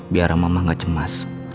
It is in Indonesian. biar mama gak cemas